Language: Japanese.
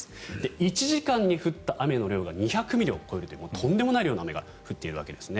１時間に降った雨の量が２００ミリを超えるというとんでもない雨の量が降っているわけですね。